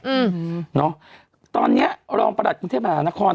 อืมเนอะตอนเนี้ยรองประหลัดกรุงเทพมหานคร